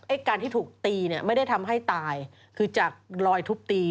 การที่ถูกตีเนี่ยไม่ได้ทำให้ตายคือจากรอยทุบตี